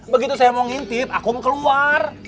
begitu saya mau ngintip aku mau keluar